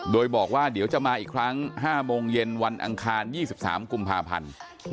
โดยบอกว่าเดี๋ยวจะมาอีกครั้ง๕โมงเย็นวันอังคาร๒๓กุมภาพันธ์